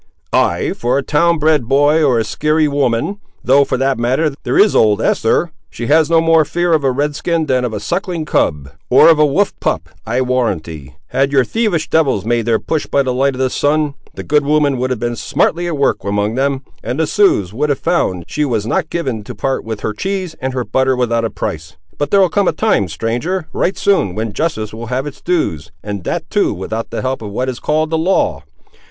"Ay, for a town bred boy, or a skeary woman; though for that matter, there is old Esther; she has no more fear of a red skin than of a suckling cub, or of a wolf pup. I'll warrant ye, had your thievish devils made their push by the light of the sun, the good woman would have been smartly at work among them, and the Siouxes would have found she was not given to part with her cheese and her butter without a price. But there'll come a time, stranger, right soon, when justice will have its dues, and that too, without the help of what is called the law.